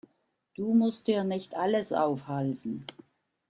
Du musst dir nicht alles aufhalsen.